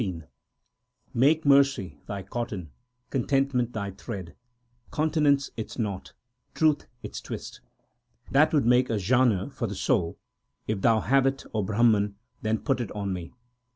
238 THE SIKH RELIGION SLOK XV Make mercy thy cotton, contentment thy thread, con tinence its knot, truth its twist. That would make a janeu for the soul ; if thou have it, O Brahman, then put it on me.